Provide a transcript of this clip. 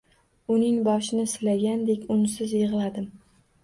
Uning boshini silagandek unsiz yig’ladim.